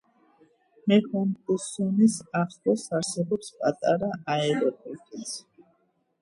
მეჰონგსონის ახლოს არსებობს პატარა აეროპორტიც.